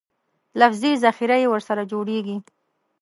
لفظي ذخیره یې ورسره جوړېږي.